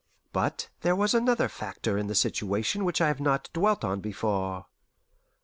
But there was another factor in the situation which I have not dwelt on before.